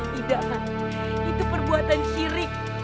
tidak kang itu perbuatan syirik